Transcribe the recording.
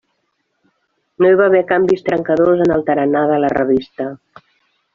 No hi va haver canvis trencadors en el tarannà de la revista.